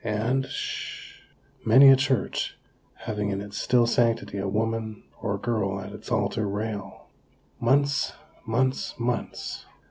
And, (sh h h h) many a church having in its still sanctity a woman or girl at its altar rail. Months, months, months!